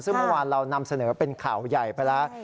ซึ่งเมื่อวานเรานำเสนอเป็นข่าวใหญ่ไปแล้ว